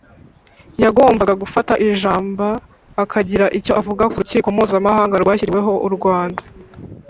yagombaga gufata ijamba akagira icyo avuga ku rukiko mpuzamahanga rwashyiriweho u rwanda.